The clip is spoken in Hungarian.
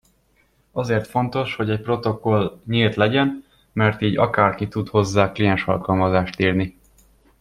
Azért fontos, hogy egy protokoll nyílt legyen, mert így akárki tud hozzá kliensalkalmazást írni.